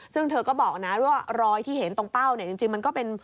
ซึ่งเธอก็บอกนะด้วยว่ารอยที่เห็นตรงเป้าเนี่ยจริงมันก็เป็น